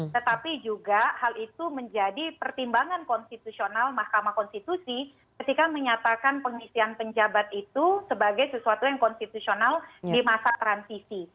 tetapi juga hal itu menjadi pertimbangan konstitusional mahkamah konstitusi ketika menyatakan pengisian penjabat itu sebagai sesuatu yang konstitusional di masa transisi